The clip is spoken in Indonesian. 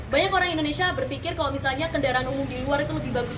banyak orang indonesia berpikir kalau misalnya kendaraan umum di luar itu lebih bagus